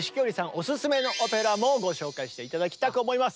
お薦めのオペラもご紹介して頂きたく思います。